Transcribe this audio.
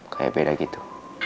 kayak beda gitu